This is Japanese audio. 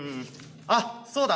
あっそうだ！